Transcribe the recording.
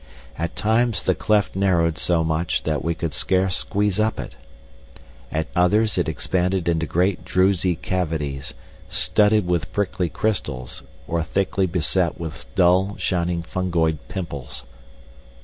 At times the cleft narrowed so much that we could scarce squeeze up it; at others it expanded into great drusy cavities, studded with prickly crystals or thickly beset with dull, shining fungoid pimples.